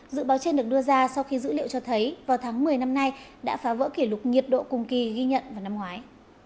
dự báo trên được đưa ra sau khi dữ liệu cho thấy vào tháng một mươi năm nay đã phá vỡ kỷ lục nhiệt độ cùng kỳ ghi nhận vào năm ngoái